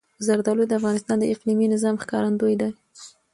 زردالو د افغانستان د اقلیمي نظام ښکارندوی ده.